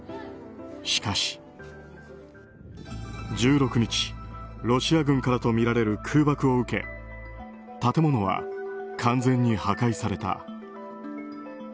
しかし、１６日ロシア軍からとみられる空爆を受け建物は完全に破壊された。